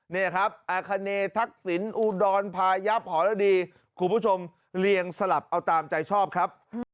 นี่ครับอาคเนทักษิณอุดรพายับหรณดีคุณผู้ชมเรียงสลับเอาตามใจชอบครับ